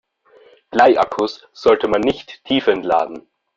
Bleiakkus sollte man nicht tiefentladen.